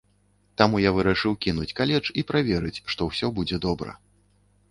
Таму я вырашыў кінуць каледж і паверыць, што ўсё будзе добра.